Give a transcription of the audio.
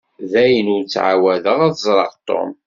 Dayen, ur tettεawadeḍ ad teẓreḍ Tom.